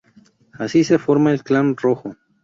Así se forma el Clan Rojo.